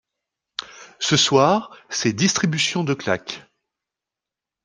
Ce soir c'est distribution de claques.